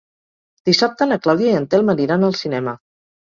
Dissabte na Clàudia i en Telm aniran al cinema.